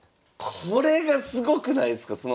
これがすごくないすか？